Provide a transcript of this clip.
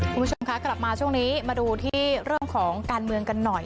คุณผู้ชมคะกลับมาช่วงนี้มาดูที่เรื่องของการเมืองกันหน่อย